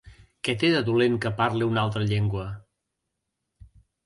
Què té de dolent que parli una altra llengua?